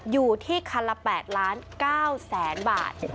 อยู่ที่คันละ๘๙๐๐๐๐๐บาท